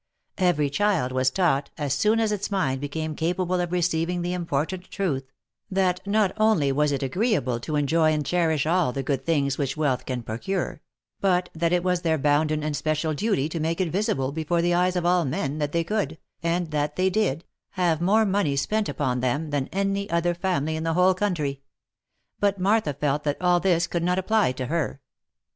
Every child was taught, as soon as its mind became capable of receiving the important truth, that not only was it agreeable to enjoy and cherish all the good things which wealth can procure, but that it was their bounden and special duty to make it visible before the eyes of all men that they could, and that they did, have more money spent upon them, than any other family in the whole country ; but Martha felt that all this could not apply to her.